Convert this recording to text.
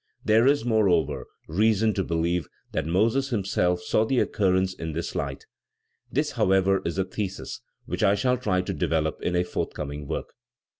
There is, moreover, reason to believe that Moses himself saw the occurrence in this light. This, however, is a thesis which I shall try to develop in a forthcoming work.